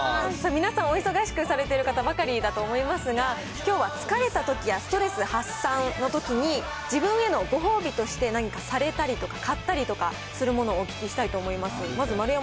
皆さんお忙しくされている方ばかりだと思いますが、きょうは疲れたときやストレス発散のときに、自分へのご褒美として、何かされたりとか、買ったりとかするもの、お聞きしたいと思います。